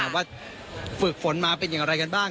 ว่าฝึกฝนมาเป็นอย่างไรกันบ้าง